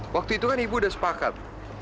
waktu itu kan ibu udah sepakat